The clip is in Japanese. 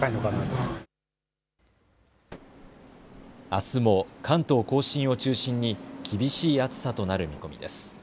あすも関東甲信を中心に厳しい暑さとなる見込みです。